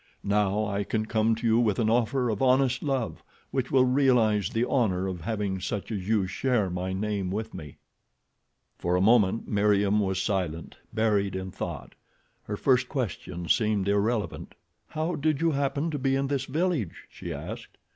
Now I can come to you with an offer of honest love, which will realize the honor of having such as you share my name with me." For a moment Meriem was silent, buried in thought. Her first question seemed irrelevant. "How did you happen to be in this village?" she asked.